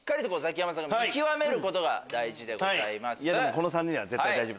この３人なら絶対大丈夫。